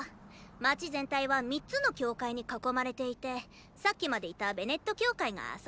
街全体は３つの教会に囲まれていてさっきまでいたベネット教会があそこだ。